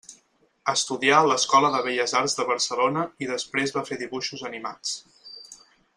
Estudià a l'Escola de Belles Arts de Barcelona i després va fer dibuixos animats.